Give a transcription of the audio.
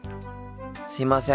すいません。